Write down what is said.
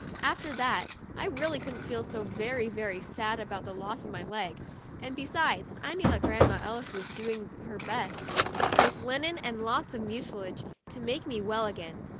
After that I really couldn't feel so very very sad about the loss of my leg, and be sides I knew that Grandma Ellis was doing her best, with linen and lots of mucilage, to make me well again.